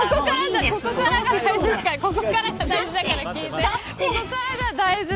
ここからが大事だから聞いて。